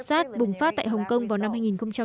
sars bùng phát tại hồng kông vào năm hai nghìn ba